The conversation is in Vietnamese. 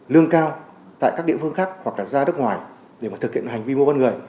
lương cao tại các địa phương khác hoặc ra nước ngoài để thực hiện hành vi mô văn người